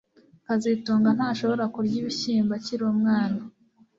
kazitunga ntashobora kurya ibishyimbo akiri umwana